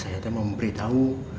saya mau memberitahu